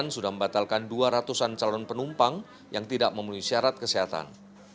sudah membatalkan dua ratus an calon penumpang yang tidak memenuhi syarat kesehatan